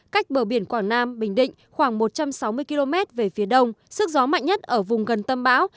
cách bờ biển quảng nam bình định khoảng một trăm sáu mươi km về phía đông sức gió mạnh nhất ở vùng gần tâm bão